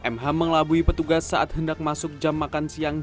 mh mengelabui petugas saat hendak masuk jam makan siang